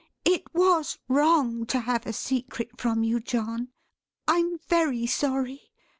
It was wrong to have a secret from you, John. I'm very sorry.